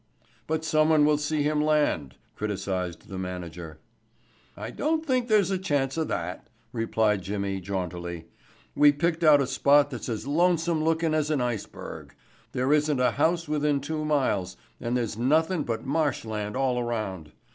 "But someone will see him land," criticized the manager. "I don't think there's a chance of that," replied Jimmy jauntily. "We picked out a spot that's as lonesome lookin' as an iceberg. There isn't a house within two miles, and there's nothin' but marsh land all around.